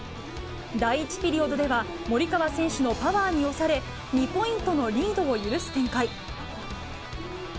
第１ピリオドでは、森川選手のパワーに押され、２ポイントのリードを許す展開。